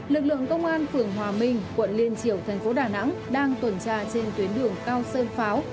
lực lượng công an phường hòa minh quận liên triều thành phố đà nẵng đang tuần tra trên tuyến đường cao sơn pháo